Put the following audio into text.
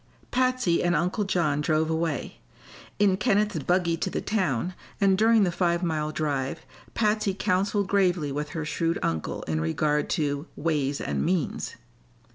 Patsy and Uncle John drove away. In Kenneth's buggy to the town, and during the five mile drive Patsy counseled gravely with her shrewd uncle in regard to "ways and means."